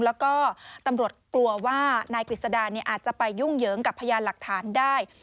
แล้วก็ตำรวจกลัวว่านายกฤษดาอาจจะไปยุ่งเหยิงกับพยานหลักฐานได้